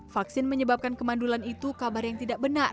vaksin menyebabkan kemandulan itu kabar yang tidak benar